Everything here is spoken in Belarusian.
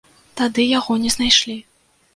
Тады яго не знайшлі.